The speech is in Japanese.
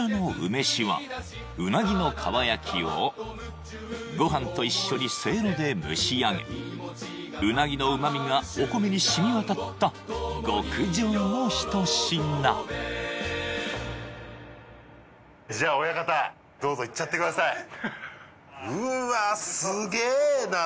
めしはうなぎの蒲焼をご飯と一緒にせいろで蒸しあげうなぎの旨みがお米に染みわたった極上の一品じゃあ親方どうぞいっちゃってくださいうわすげーな